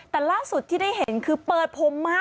แต่ล่าสุดที่ได้เห็นคือเปิดผมมา